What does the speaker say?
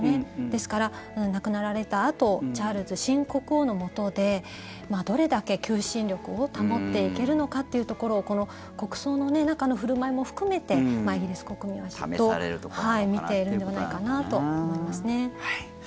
ですから、亡くなられたあとチャールズ新国王のもとでどれだけ求心力を保っていけるのかというところをこの国葬の中の振る舞いも含めてイギリス国民は見ているんではないかなと思いますね。